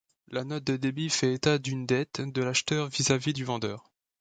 La note de débit fait état d'une dette de l'acheteur vis-à-vis du vendeur.